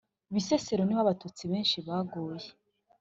Bisesero niho abatutsi benshi baguye